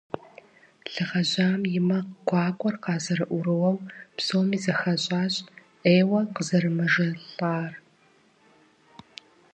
Лы гъэжьам и мэ гуакӀуэр къазэрыӀурыуэу, псоми зыхащӀащ Ӏейуэ къызэрымэжэлӀар.